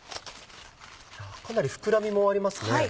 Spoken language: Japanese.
かなり膨らみもありますね。